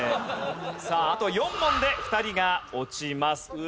さああと４問で２人が落ちます。